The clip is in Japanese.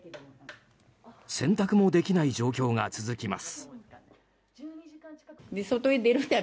洗濯もできない状況が続きます。